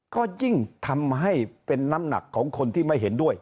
ก็ยิ่งทำให้เป็นน้ำหนักของคนที่ไม่เห็นด้วย